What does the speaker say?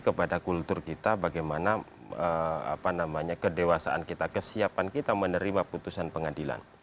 kepada kultur kita bagaimana kedewasaan kita kesiapan kita menerima putusan pengadilan